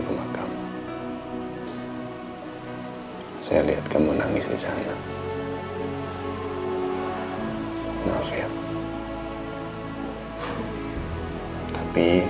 sudahlah mau ngacir saldo